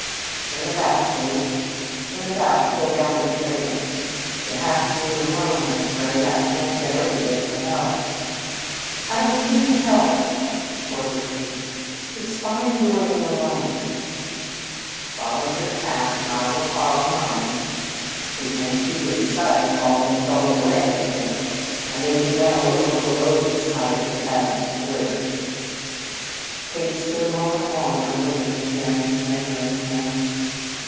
"Turn about, Kate; turn about and go down the trail. You'll have to do it alone, I'm afraid. I can't get over there to help." "I don't need help," retorted Kate. "It's fine doing it alone." "Follow your path, and I will follow mine. We can keep in sight almost all the way, I think, and,¸ as you know, a little below this height, the paths converge." Kate stood a moment longer, looking at him, measuring him.